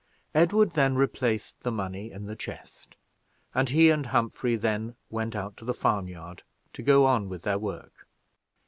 Edward then replaced the money in the chest, and he and Humphrey then went out to the farmyard to go on with their work.